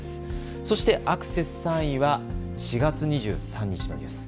そしてアクセス３位は４月２３日のニュース。